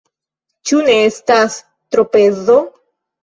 Ĉu ne estas tropezo?